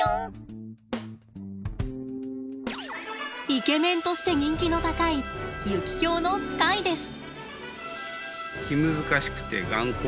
イケメンとして人気の高いユキヒョウのスカイです。